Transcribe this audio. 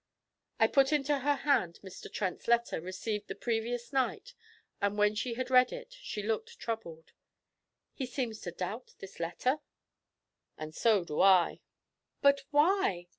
I put into her hand Mr. Trent's letter, received the previous night, and when she had read it, she looked troubled. 'He seems to doubt this letter?' 'And so do I.' 'But why?